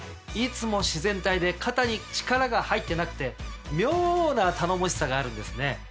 いつも自然体で肩に力が入ってなくて妙な頼もしさがあるんですね。